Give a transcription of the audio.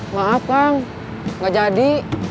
maaf bang gak jadi